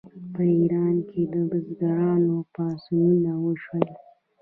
په ایران کې د بزګرانو پاڅونونه وشول.